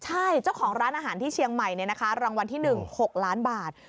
ใช่เจ้าของร้านอาหารที่เชียงใหม่รางวัลที่๑๖ล้านบาท